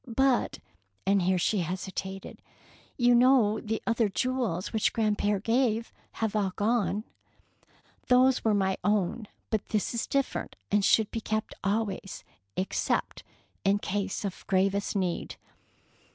But," and here she hesitated, "you know the other jewels which grandpere gave have all gone." "Those were my own, but this is different, and should be kept always, except in case of gravest need."